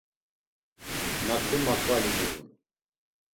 Naǩu makvali giğun?